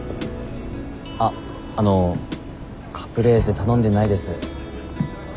あっあのカプレーゼ頼んでないです。